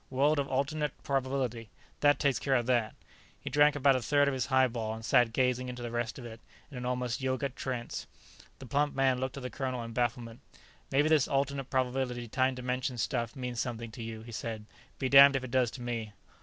"World of alternate probability. That takes care of that." He drank about a third of his highball and sat gazing into the rest of it, in an almost yogic trance. The plump man looked at the colonel in bafflement. "Maybe this alternate probability time dimension stuff means something to you," he said. "Be damned if it does to me."